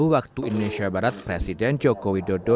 waktu indonesia barat presiden joko widodo